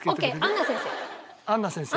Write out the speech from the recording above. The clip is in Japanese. うんアンナ先生。